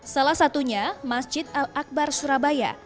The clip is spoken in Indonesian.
salah satunya masjid al akbar surabaya